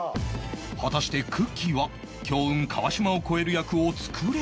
果たしてくっきー！は強運川島を超える役を作れるのか？